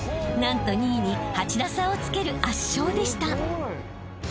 ［何と２位に８打差をつける圧勝でした］